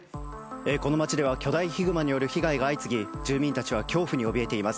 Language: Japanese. この町では巨大ヒグマによる被害が相次ぎ住民たちは恐怖におびえています。